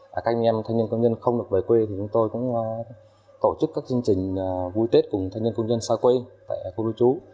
các anh em thanh niên công nhân không được về quê thì chúng tôi cũng tổ chức các chương trình vui tết cùng thanh niên công nhân xa quê tại khu lưu trú